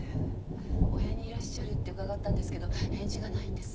お部屋にいらっしゃるって伺ったんですけど返事がないんです。